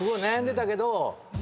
悩んでたけど。